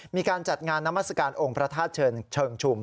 มีการจัดงานนามัศกาลองค์พระธาตุเชิงชุม